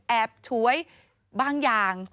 แอบถ้วยบางอย่าง